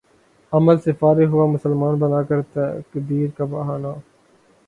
عمل سے فارغ ہوا مسلماں بنا کر تقدیر کا بہانہ